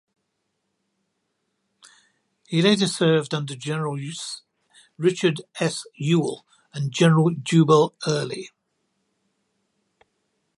He later served under General Richard S. Ewell and General Jubal Early.